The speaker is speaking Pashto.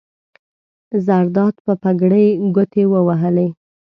زرداد په پګړۍ ګوتې ووهلې.